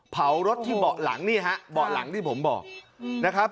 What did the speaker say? เผารถที่เบาะหลังนี่ฮะเบาะหลังที่ผมบอกนะครับ